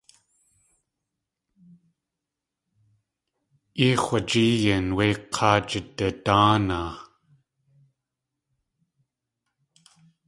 Yéi x̲wajéeyin wé k̲áa jididáanaa.